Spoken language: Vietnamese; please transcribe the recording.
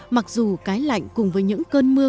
mặc dù cái lạnh cùng với những cơn mưa